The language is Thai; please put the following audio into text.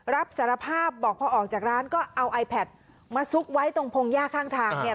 รับสารภาพบอกพอออกจากร้านก็เอาไอแพทมาซุกไว้ตรงพงหญ้าข้างทางเนี่ย